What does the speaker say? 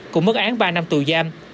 cũng mất án ba năm tù giam